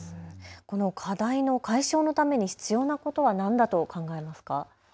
この課題の解消のために必要なことは何だと考えますか。